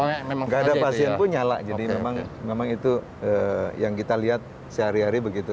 tidak ada pasien pun nyala jadi memang itu yang kita lihat sehari hari begitu